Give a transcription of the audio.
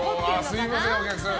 すみません、お客さん。